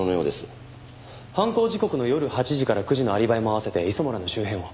犯行時刻の夜８時から９時のアリバイも併せて磯村の周辺を。